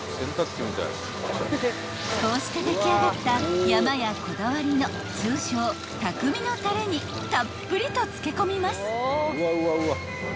［こうして出来上がったやまやこだわりの通称匠のたれにたっぷりと漬け込みます］